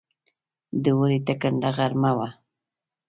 د اوړي ټکنده غرمه وه.